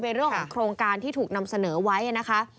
เป็นเรื่องของโครงการที่ถูกนำเสนอไว้นะคะ